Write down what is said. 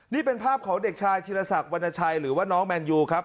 นี่เป็นภาพของเด็กชายธีรศักดิวรรณชัยหรือว่าน้องแมนยูครับ